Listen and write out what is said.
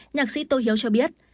nhạc sĩ tô hiếu cho biết